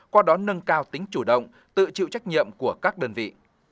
qua đó nâng cao tính chủ động tự chịu trách nhiệm của các đơn vị